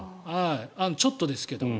ちょっとですけど。